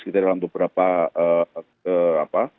kita dalam beberapa